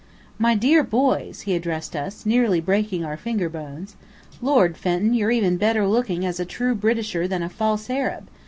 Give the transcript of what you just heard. "My dear boys!" he addressed us, nearly breaking our finger bones. "Lord, Fenton, you're even better looking as a true Britisher than a false Arab!